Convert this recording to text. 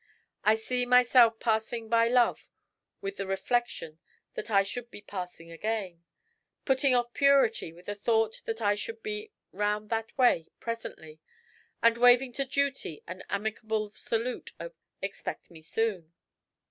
I see myself passing by Love with the reflection that I should be passing again; putting off Purity with the thought that I should be round that way presently; and waving to Duty an amicable salute of 'Expect me soon.'